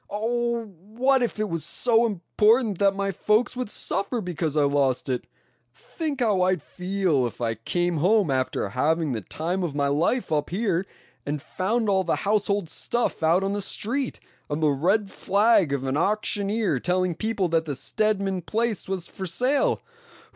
Oh! what if it was so important that my folks would suffer because I lost it? Think how I'd feel if I came home after having the time of my life up here, and found all the household stuff out on the street, and the red flag of an auctioneer telling people that the Stedman place was for sale?